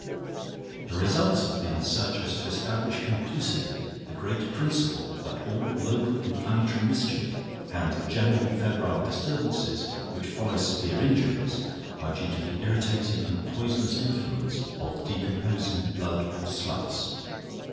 The results have been such as to establish conclusively the great principle that all local inflammatory mischief and general febrile disturbances which follow severe injuries are due to the irritating and poisonous influence of decomposing blood or sloughs.